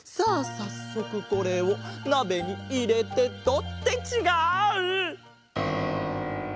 さっそくこれをなべにいれてと。ってちがう！